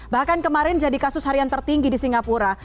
bahkan kemarin jadi kasus harian tertinggi di singapura